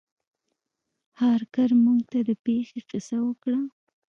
هارکر موږ ته د پیښې کیسه وکړه.